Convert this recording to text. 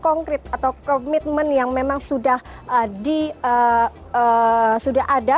konkret atau komitmen yang memang sudah ada